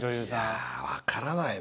いや分からないね。